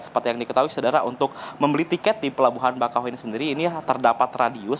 seperti yang diketahui saudara untuk membeli tiket di pelabuhan bakau ini sendiri ini terdapat radius